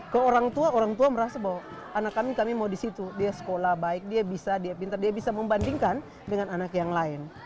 ke orang tua orang tua merasa bahwa anak kami kami mau di situ dia sekolah baik dia bisa dia pintar dia bisa membandingkan dengan anak yang lain